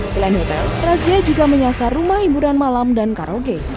selain hotel razia juga menyasar rumah hiburan malam dan karaoke